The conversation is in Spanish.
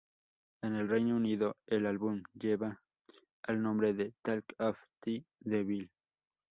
En el Reino Unido el álbum lleva el nombre de "Talk of the Devil".